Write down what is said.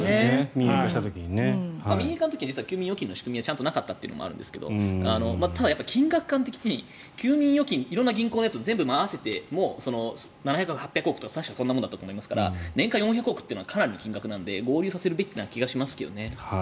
民営化した時には休眠預金の仕組みがなかったということもあるんですがただ、金額的に休眠預金、色んな銀行のを全部合わせても７００から８００億円とかそういうものだったと思いますから年間４００億円というのはかなりの額なので合流させるべきな気がしますけどね。